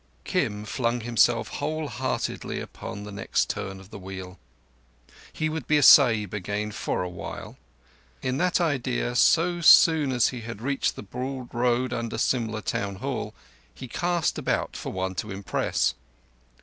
_ Kim flung himself whole heartedly upon the next turn of the wheel. He would be a Sahib again for a while. In that idea, so soon as he had reached the broad road under Simla Town Hall, he cast about for one to impress.